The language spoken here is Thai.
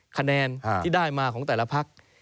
คะแนนที่ได้มาของแต่ละพัก